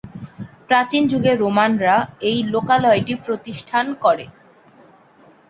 প্রাচীন যুগে রোমানরা এই লোকালয়টি প্রতিষ্ঠান করে।